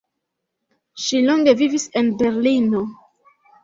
Ŝi longe vivis en Berlino.